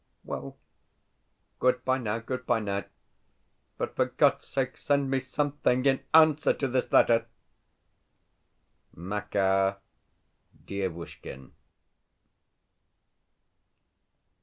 Well, goodbye now, goodbye now, but for God's sake send me something in answer to this letter! MAKAR DIEVUSHKIN.